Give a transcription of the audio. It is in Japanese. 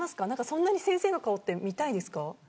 そんなに先生の顔見たいですか。